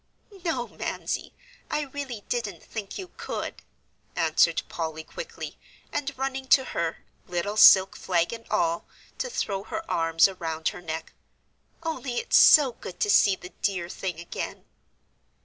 "No, Mamsie, I really didn't think you could," answered Polly, quickly, and running to her, little silk flag and all, to throw her arms around her neck, "only it's so good to see the dear thing again."